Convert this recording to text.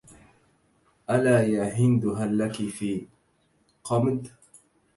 ألا يا هند هل لك في قمد